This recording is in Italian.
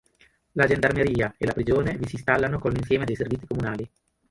La gendarmeria e la prigione vi si installano con l'insieme dei servizi comunali.